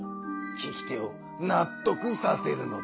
聞き手をなっとくさせるのだ。